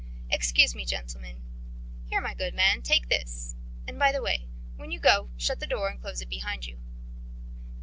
"Excuse me, gentlemen... Here, my good man, take this,... and by the way, when you go out shut the door close behind you."